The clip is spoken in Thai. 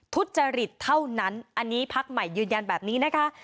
ทุจริตเท่านั้นอันนี้พักใหม่ยืนยันแบบนี้นะคะ